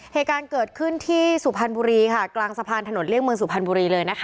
เหตุการณ์เกิดขึ้นที่กลางสะพานถนนเลี่ยงเมืองสุพรรณบุรี